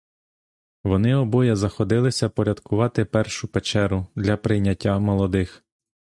Вони обоє заходилися порядкувати першу печеру для прийняття молодих.